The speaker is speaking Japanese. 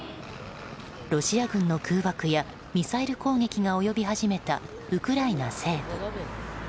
ロシア軍の空爆やミサイル攻撃が及び始めたウクライナ西部。